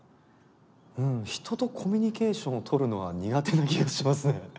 人とコミュニケーションをとるのは苦手な気がしますね。